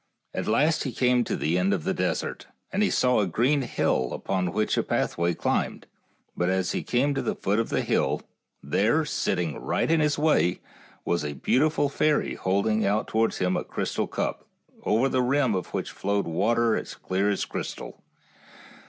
At last he came to the end of the desert, and he saw a green hill up which a pathway climbed ; but as he came to the foot of the hill, there, sitting right in his way, was a beautiful fairy holding out towards him a crystal cup, over the rim of which flowed water as clear as crystal.